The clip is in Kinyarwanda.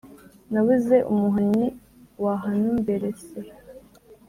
nabuze umuhannyi wahanumbersra